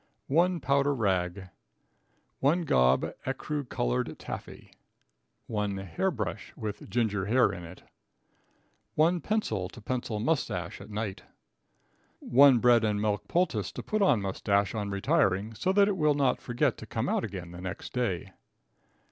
1 Powder Rag. 1 Gob ecru colored Taffy. 1 Hair brush, with Ginger Hair in it. 1 Pencil to pencil Moustache at night. 1 Bread and Milk Poultice to put on Moustache on retiring, so that it will not forget to come out again the next day.